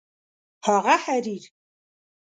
هغه حریر